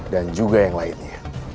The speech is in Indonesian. dan juga yang lainnya